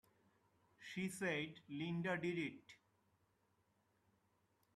She said Linda did it!